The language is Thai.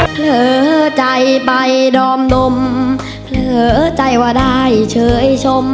เผลอใจไปดอมนมเผลอใจว่าได้เฉยชม